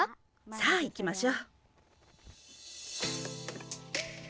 さあ行きましょ。